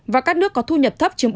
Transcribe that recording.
và các nước có thu nhập thấp chiếm bốn